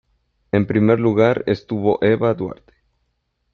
En primer lugar estuvo Eva Duarte.